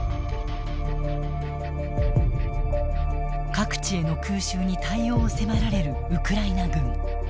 各地への空襲に対応を迫られるウクライナ軍。